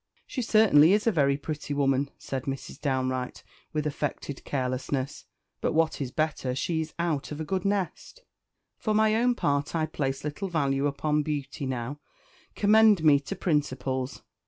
"She certainly is a very pretty woman," said Mrs. Downe Wright with affected carelessness; "but what is better, she is out of a good nest. For my own part I place little value upon beauty now; commend me to principles.